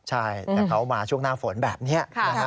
ใช่แต่เขามาช่วงหน้าฝนแบบนี้